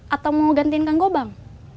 atau mau gantiin kang gobang